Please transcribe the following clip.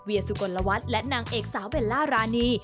เวียสุโกนละวัดและนางเอกสาวเบลล่ารานี